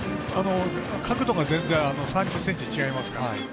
角度が全然３０ｃｍ違いますから。